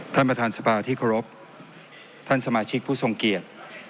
ท่านประธานสภาที่เคารพท่านสมาชิกผู้ทรงเกียรติ